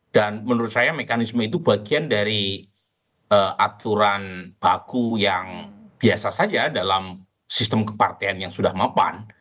dan menurut saya mekanisme itu bagian dari aturan baku yang biasa saja dalam sistem kepartean yang sudah mapan